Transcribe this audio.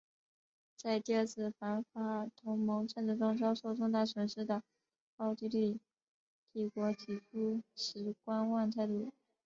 在第二次反法同盟战争中遭受重大损失的奥地利帝国起初持观望态度。